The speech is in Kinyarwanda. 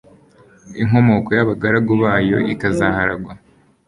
inkomoko y'abagaragu bayo ikazaharagwa